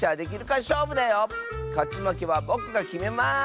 かちまけはぼくがきめます。